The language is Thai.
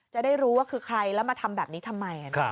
จะได้รู้ว่าคือใครแล้วมาทำแบบนี้ทำไม